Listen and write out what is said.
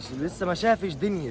saya belum melihat dunia saya